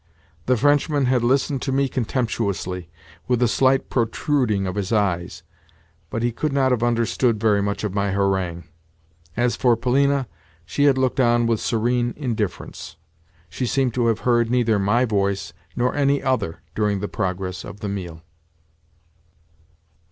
The Frenchman had listened to me contemptuously, with a slight protruding of his eyes; but, he could not have understood very much of my harangue. As for Polina, she had looked on with serene indifference. She seemed to have heard neither my voice nor any other during the progress of the meal.